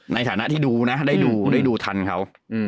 ในฐานะที่ดูนะได้ดูได้ดูทันเขา